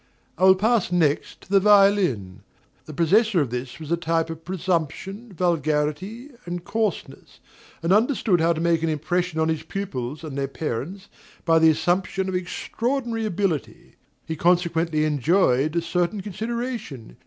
I will pass next to the violin. The possessor of this was a type of presumption, vulgarity, and coarseness, and understood how to make an impression on his pupils and their parents by the assumption of extraordinary ability. He consequently enjoyed a certain consideration.